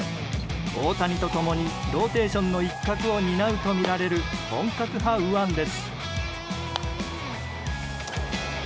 大谷と共にローテーションの一角を担うとみられる本格派右腕です。